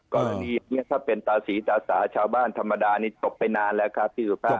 กรณีนี้ถ้าเป็นตาสีตาสาชาวบ้านธรรมดานี่ตบไปนานแล้วครับพี่สุภาพ